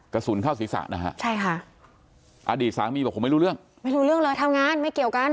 กระสุนเข้าศีรษะนะฮะใช่ค่ะอดีตสามีบอกผมไม่รู้เรื่องไม่รู้เรื่องเลยทำงานไม่เกี่ยวกัน